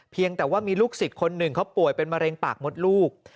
เพียงแต่ว่ามีลูกศิษย์คนหนึ่งเขาป่วยเป็นมะเร็งปากมดลูก